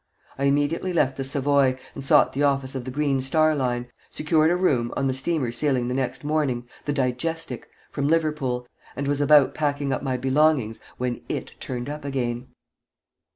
I immediately left the Savoy, and sought the office of the Green Star Line, secured a room on the steamer sailing the next morning the Digestic from Liverpool, and was about packing up my belongings, when it turned up again.